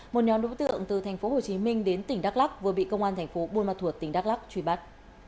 một nhóm đối tượng từ tp hcm đến tỉnh đắk lắc vừa bị công an tp bun ma thuột tỉnh đắk lắc truy bắt